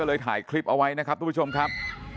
เลยถ่ายคลิปเอาไว้นะครับทุกผู้ชมครับ